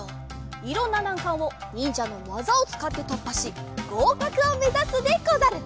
いろんななんかんをにんじゃのわざをつかってとっぱしごうかくをめざすでござる。